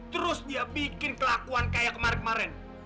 terus dia bikin kelakuan kayak kemarin kemarin